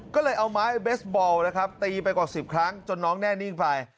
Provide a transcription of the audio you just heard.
ก็เลยเอาไม้เบสบอลนะครับตีไปกว่า๑๐ครั้งจนน้องแน่นิ่งไป